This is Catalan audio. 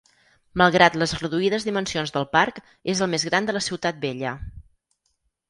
Malgrat les reduïdes dimensions del parc, és el més gran de la Ciutat Vella.